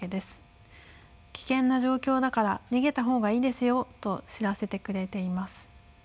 危険な状況だから逃げた方がいいですよと知らせてくれています。